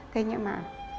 thế nhưng mà